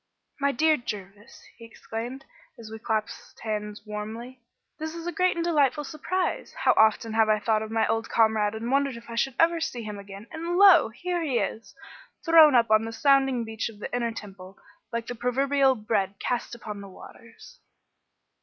"My dear Jervis," he exclaimed, as we clasped hands warmly, "this is a great and delightful surprise. How often have I thought of my old comrade and wondered if I should ever see him again, and lo! here he is, thrown up on the sounding beach of the Inner Temple, like the proverbial bread cast upon the waters."